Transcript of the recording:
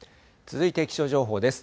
続いて気象情報です。